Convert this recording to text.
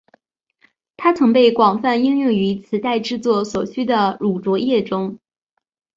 它曾被广泛应用于磁带制作所需的乳浊液中。